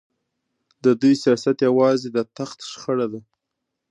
د دوی سیاست یوازې د تخت شخړه ده.